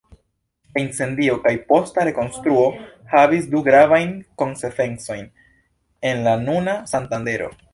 La incendio kaj posta rekonstruo havis du gravajn konsekvencojn en la nuna Santandero.